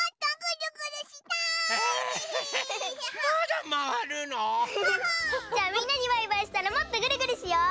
じゃあみんなにバイバイしたらもっとぐるぐるしよう！